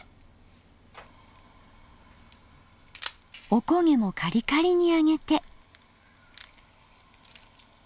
おこげもカリカリに揚げて。